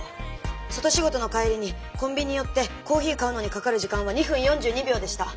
外仕事の帰りにコンビニ寄ってコーヒー買うのにかかる時間は２分４２秒でした。